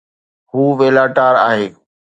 هو ويلا ٽار آهي